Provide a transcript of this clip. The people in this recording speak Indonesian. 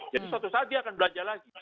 jadi suatu saat dia akan belanja lagi